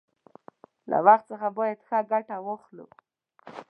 له وخت څخه باید ښه گټه واخلو.